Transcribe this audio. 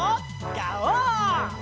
ガオー！